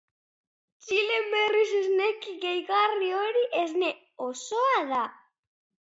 Txilen, berriz, esneki gehigarri hori, esne osoa da.